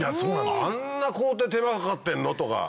あんな手間かかってんのとか。